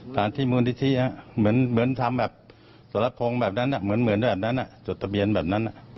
ที่มูลนิธิเหมือนทำสระโพงแบบนั้นเหมือนนะจดทะเบียนแบบนั้น